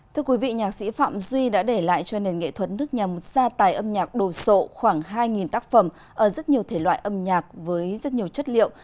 thưa quý vị nhạc sĩ phạm duy đã để lại cho nền nghệ thuật nước nhà một gia tài âm nhạc đồ sộ khoảng hai tác phẩm ở rất nhiều thể loại âm nhạc với rất nhiều chất liệu